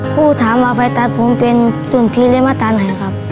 ผู้ถามว่าไฟตัดผมเป็นรุ่นพี่เลี่ยนมาตัดไหนครับ